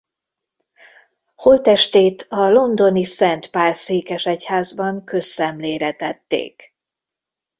Holttestét a londoni Szent Pál-székesegyházban közszemlére tették.